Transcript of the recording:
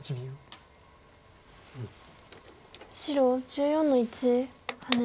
白１４の一ハネ。